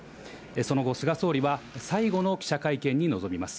その後、菅総理は最後の記者会見に臨みます。